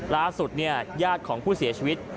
ล่าสุดญาติของผู้เสียชีวิต